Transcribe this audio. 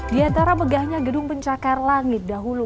di antara megahnya gedung pencakar langit dahulu